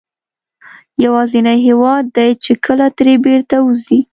یوازینی هېواد دی چې کله ترې بېرته وځې.